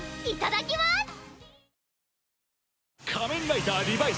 いただきます！